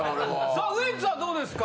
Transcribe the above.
さあウエンツはどうですか？